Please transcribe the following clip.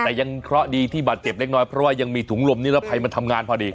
แต่ยังเคราะห์ดีที่บาดเจ็บเล็กน้อยเพราะว่ายังมีถุงลมนิรภัยมาทำงานพอดี